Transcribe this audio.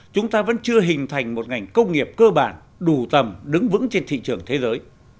chúng ta vẫn chưa hình thành một ngành công nghiệp cơ bản đủ tầm đứng vững trên thị trường thế giới